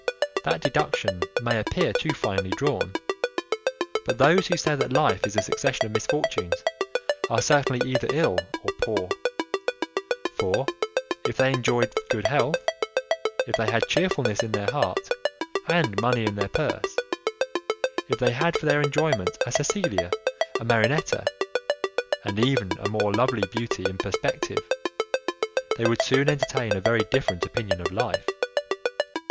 That deduction may appear too finely drawn. But those who say that life is a succession of misfortunes are certainly either ill or poor; for, if they enjoyed good health, if they had cheerfulness in their heart and money in their purse, if they had for their enjoyment a Cecilia, a Marinetta, and even a more lovely beauty in perspective, they would soon entertain a very different opinion of life!